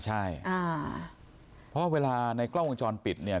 ใช่เพราะเวลาในกล้องวงจรปิดเนี่ย